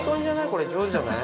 これ上手じゃない？